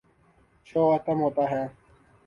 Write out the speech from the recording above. شو ختم ہوتا ہے۔